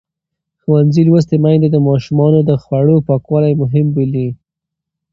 ښوونځې لوستې میندې د ماشومانو د خوړو پاکوالی مهم بولي.